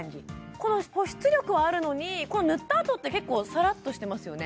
この保湿力はあるのに塗ったあとって結構さらっとしてますよね